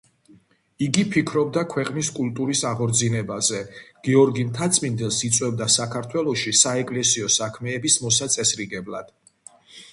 იგი ფიქრობდა ქვეყნის კულტურის აღორძინებაზე, გიორგი მთაწმინდელს იწვევდა საქართველოში საეკლესიო საქმეების მოსაწესრიგებლად.